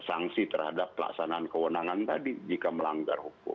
sanksi terhadap pelaksanaan kewenangan tadi jika melanggar hukum